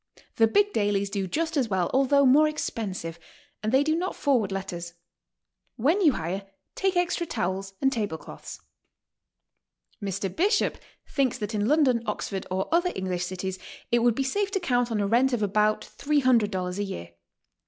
The big dailies do just as well, although more expensive, and they do not forward letters. When you hire, take extra towels and table cloths. Mr. Bishop thinks that in London, Oxford or other English cities, it would be safe to count on a rent of about $300 a year.